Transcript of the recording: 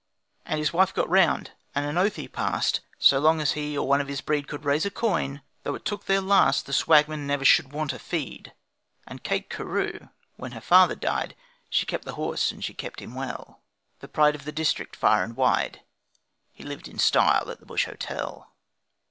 And his wife got round, and an oath he passed, So long as he or one of his breed Could raise a coin, though it took their last The Swagman never should want a feed. And Kate Carew, when her father died, She kept the horse and she kept him well: The pride of the district far and wide, He lived in style at the bush hotel.